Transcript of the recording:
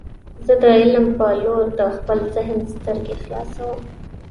زه د علم په لور د خپل ذهن سترګې خلاصوم.